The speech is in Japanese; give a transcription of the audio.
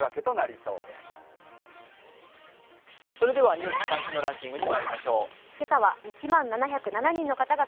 「ニュース関心度ランキング」にまいりましょう。